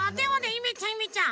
ゆめちゃんゆめちゃん！